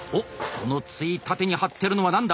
このついたてに貼ってるのは何だ？